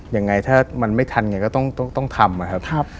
ยังไงถ้ามันไม่ทันไงก็ต้องทำ